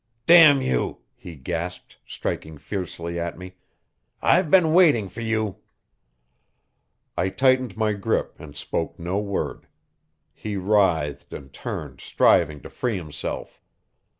"Damn you!" he gasped, striking fiercely at me. "I've been waiting for you!" I tightened my grip and spoke no word. He writhed and turned, striving to free himself.